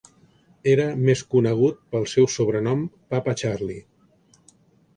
Era més conegut pel seu sobrenom, Papa Charlie.